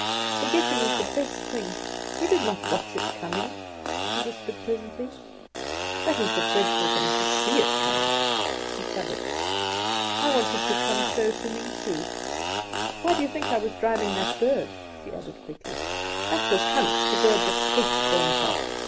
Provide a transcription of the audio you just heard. "Forgetting is the best thing. He did watch it coming," she whispered presently. "That is the dreadful thing, to see it coming!" She shuddered. "I want it to come so to me too. Why do you think I was driving that bird?" she added quickly. "That was Hans, the bird that hates Bonaparte.